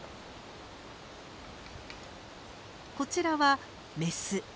こちらはメス。